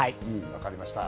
分かりました。